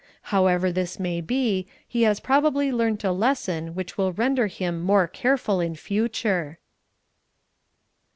However this may be, he has probably learnt a lesson which will render him more careful in future."